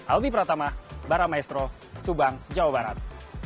albi pratama baramaestro subang jawa barat